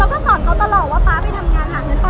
แล้วก็สอนเจ้าตลอดว่าป๊าไปทำงานหัง